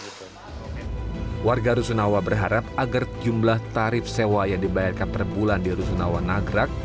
gitu warga rusunawa berharap agar jumlah tarif sewa yang dibayarkan perbulan di rusunawa nagrak